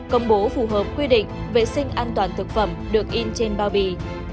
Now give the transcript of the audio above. công bố phù hợp quy định vệ sinh an toàn thực phẩm được in trên bao bì